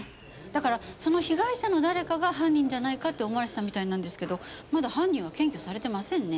だからその被害者の誰かが犯人じゃないかって思われてたみたいなんですけどまだ犯人は検挙されてませんね。